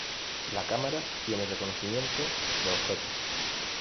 La cámara tiene reconocimiento de objetos.